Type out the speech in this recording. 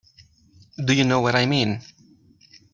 Do you know what I mean?